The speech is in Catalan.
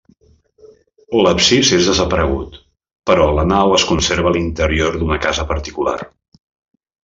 L'absis és desaparegut, però la nau es conserva a l'interior d'una casa particular.